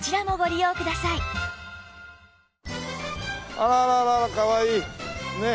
あらららかわいいねっ。